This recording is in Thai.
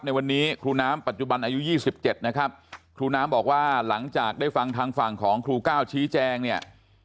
ในวันนี้ครูน้ำปัจจุบันอายุ๒๗นะครับครูน้ำบอกว่าหลังจากได้ฟังทางฝั่งของครูก้าวชี้แจงเนี่ย